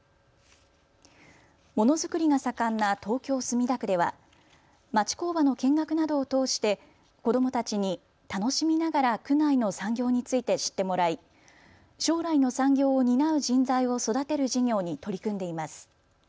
ものづくりが盛んな東京墨田区では町工場の見学などを通して子どもたちに楽しみながら区内の産業について知ってもらい将来の産業を担う人材を育てる事業に取り組んでいます。